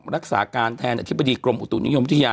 รักษาการแทนอธิบดีกรมอุตุนิยมวิทยา